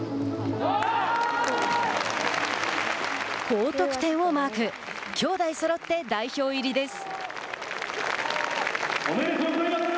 高得点をマーク。兄弟そろって代表入りです。